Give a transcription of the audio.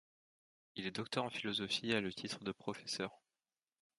Il est docteur en philosophie et a le titre de professeur.